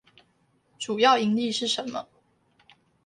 主要營力是什麼？